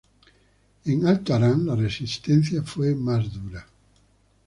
En Alto Arán la resistencia fue más dura.